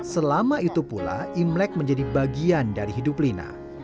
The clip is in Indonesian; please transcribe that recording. selama itu pula imlek menjadi bagian dari hidup lina